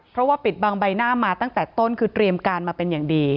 เพราะว่าปิดบังใบหน้ามาตั้งแต่ต้นคือเตรียมการมาเป็นอย่างดี